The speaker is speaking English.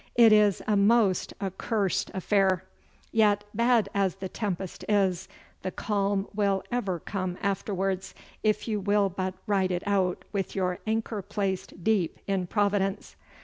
'It is a most accursed affair. Yet, bad as the tempest is, the calm will ever come afterwards if you will but ride it out with your anchor placed deep in Providence.